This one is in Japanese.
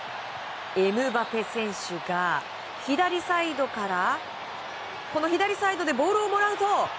エムバペ選手が左サイドでボールをもらうと。